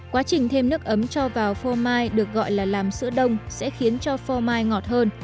quá trình thêm nước ấm cho vào phô mai được gọi là làm sữa đông sẽ khiến cho phô mai ngọt hơn